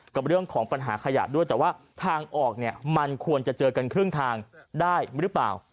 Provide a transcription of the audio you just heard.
กับเรื่องของปัญหาขยะด้วยแต่ว่าทางออกเนี่ยมันควรจะเจอกันครึ่งทางได้หรือเปล่า